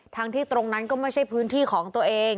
ทั้งที่ตรงนั้นก็ไม่ใช่พื้นที่ของตัวเอง